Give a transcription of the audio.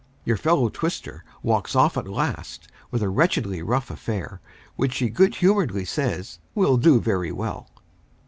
Your fellow twister walks off at last, with a wretchedly rough affair, which he good humoredly says "will do very well."